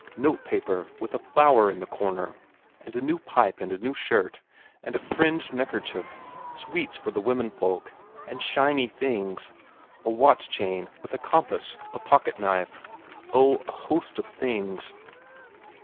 Notepaper with a flower in the corner, and a new pipe and a new shirt, and a fringed neckerchief sweets for the womenfolk, and shiny things, a watch chain with a compass, a pocket knife oh, a host of things.